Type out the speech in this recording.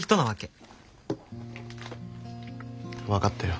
分かったよ。